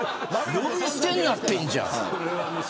呼び捨てになってるじゃん。